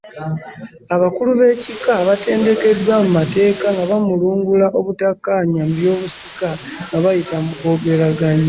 Abakulu b’ekika abatendekeddwa mu mateeka nga bamulungula obutakkaanya mu byobusika nga bayita mu kwogeraganya.